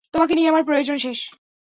তোমাকে নিয়ে আমার প্রয়োজন শেষ।